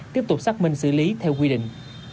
tiếp tục xác minh xử lý theo quy định